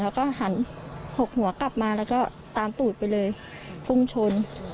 แล้วก็หันหกหัวกลับมาแล้วก็ตามตูดไปเลยพุ่งชน